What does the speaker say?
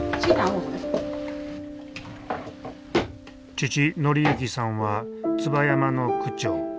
父紀幸さんは椿山の区長。